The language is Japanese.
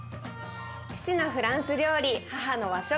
父のフランス料理母の和食